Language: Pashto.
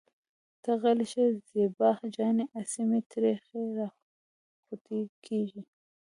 ته غلې شه زېبا جانې اسې مې تريخی راخوټکېږي.